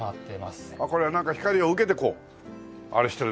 これはなんか光を受けてこうあれしてる。